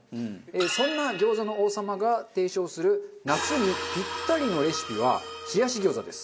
そんな餃子の王様が提唱する夏にピッタリのレシピは冷やし餃子です。